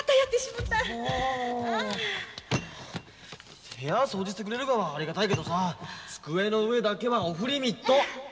もう！部屋掃除してくれるがはありがたいけどさ机の上だけはオフリミット！